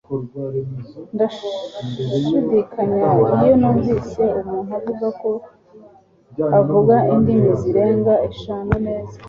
Ndashidikanya iyo numvise umuntu avuga ko avuga indimi zirenga eshanu neza.